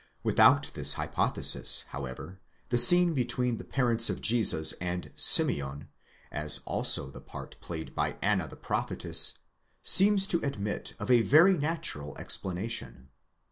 * With out this hypothesis, however, the scene between the parents of Jesus and Simeon, as also the part played by Anna the prophetess, seems to admit of a very natural explanation.